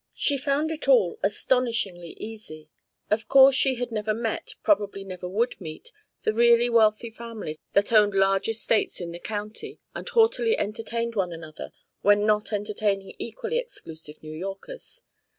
She found it all astonishingly easy. Of course she never had met, probably never would meet, the really wealthy families that owned large estates in the county and haughtily entertained one another when not entertaining equally exclusive New Yorkers.